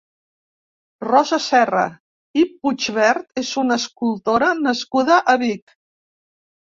Rosa Serra i Puigvert és una escultora nascuda a Vic.